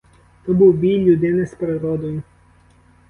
То був бій людини з природою.